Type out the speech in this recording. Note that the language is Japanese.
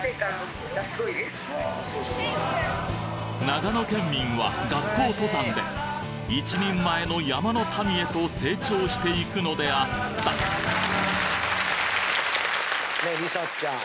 長野県民は学校登山で一人前の山の民へと成長していくのであった梨紗ちゃん